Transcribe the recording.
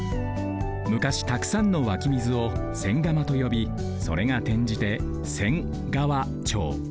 昔たくさんのわきみずを千釜とよびそれがてんじて仙川町。